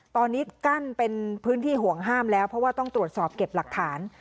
ตอนนี้กั้นเป็นพื้นที่ห่วงห้ามแล้วเพราะว่าต้องตรวจสอบเก็บหลักฐาน